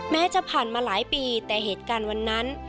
แม้จะผ่านมาหลายปีแต่เหตุการณ์วันนั้น